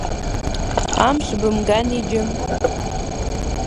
Амш бымгани, џьым!